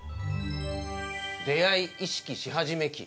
「出会い意識し始め期」